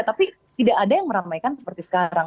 tapi tidak ada yang meramaikan seperti sekarang